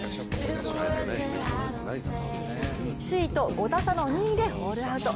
首位と５打差の２位でホールアウト。